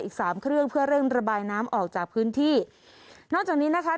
อีกสามเครื่องเพื่อเร่งระบายน้ำออกจากพื้นที่นอกจากนี้นะคะ